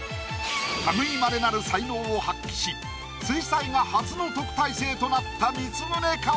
類いまれなる才能を発揮し水彩画初の特待生となった光宗薫か？